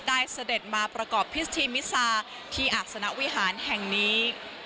เสด็จมาประกอบพิธีมิซาที่อาศนวิหารแห่งนี้